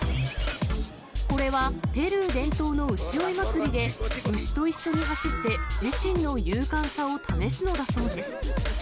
これは、ペルー伝統の牛追い祭りで、牛と一緒に走って、自身の勇敢さを試すのだそうです。